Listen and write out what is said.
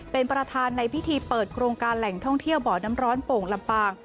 เป็นประธานในพิธีเปิดโครงการแหล่งท่องเที่ยวบ่อน้ำร้อนโป่งลำปาง